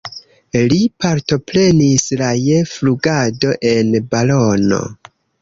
Li partoprenis la je flugado en balono.